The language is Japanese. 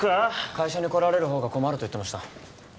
会社に来られるほうが困ると言ってました